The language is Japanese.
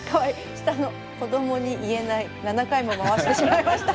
下の「子供に言えない７回も回してしまいました」